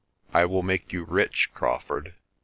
I will make you rich, Crawfurd.